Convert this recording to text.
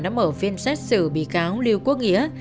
đã mở phiên xét xử bị cáo lưu quốc nghĩa